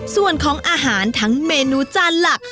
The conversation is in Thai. ส่วนของอาหารทั้งเมนูจานหลัก